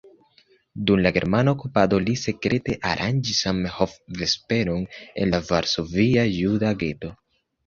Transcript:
Dum la germana okupado li sekrete aranĝis Zamenhof-vesperon en la Varsovia juda geto.